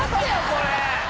これ！